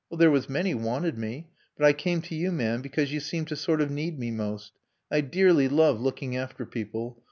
"There was many wanted me. But I came to you, ma'am, because you seemed to sort of need me most. I dearly love looking after people.